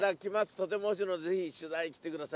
「とってもおいしいのでぜひ取材に来てください！」